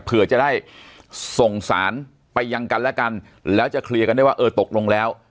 เผื่อจะได้ส่งสารไปยังกันและกันแล้วจะเคลียร์กันได้ว่าเออตกลงแล้ว